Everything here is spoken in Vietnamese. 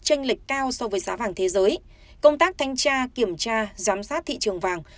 tranh lệch cao so với giá vàng thế giới công tác thanh tra kiểm tra giám sát thị trường vàng